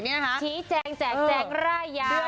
ชี้แจงแจกแจงร่ายยาว